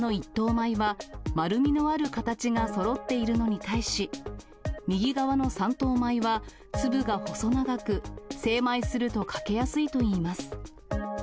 米は、丸みのある形がそろっているのに対し、右側の三等米は、粒が細長く、精米すると欠けやすいといいます。